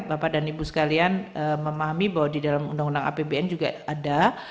bapak dan ibu sekalian memahami bahwa di dalam undang undang apbn juga ada